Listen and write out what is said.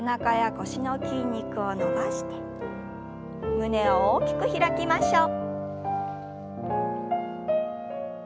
胸を大きく開きましょう。